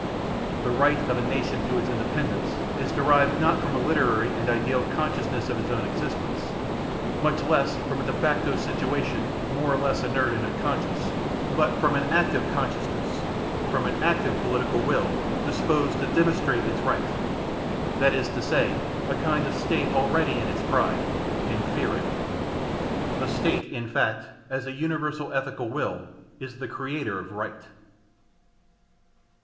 The right of a nation to its independence is derived not from a literary and ideal consciousness of its own existence, much less from a de facto situation more or less inert and unconscious, but from an active consciousness, from an active political will disposed to demonstrate in its right; that is to say, a kind of State already in its pride (in fieri). The State, in fact, as a universal ethical will, is the creator of right.